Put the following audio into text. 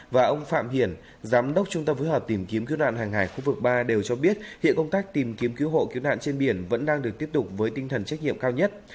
và ông phạm hiển giám đốc trung tâm phối hợp tìm kiếm cứu nạn hàng hải khu vực ba đều cho biết hiện công tác tìm kiếm cứu hộ cứu nạn trên biển vẫn đang được tiếp tục với tinh thần trách nhiệm cao nhất